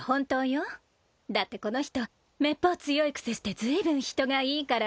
だってこの人めっぽう強いくせしてずいぶん人がいいから。